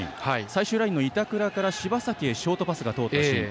最終ラインの板倉から柴崎へショートパスが通ったシーン。